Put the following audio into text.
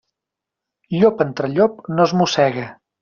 Llop entre llop no es mossega.